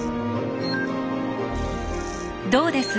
どうです？